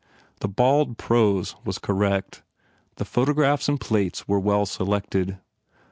The bald prose was correct, the photographs and plates were well selected.